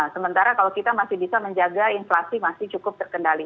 sementara kalau kita masih bisa menjaga inflasi masih cukup terkendali